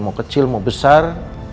mau kecil mau besar